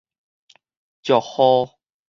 石滬